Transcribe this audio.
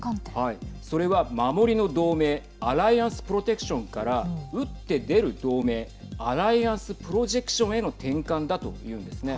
それは守りの同盟＝アライアンス・プロテクションから打って出る同盟＝アライアンス・プロジェクションへの転換だというんですね。